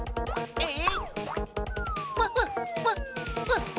えっ？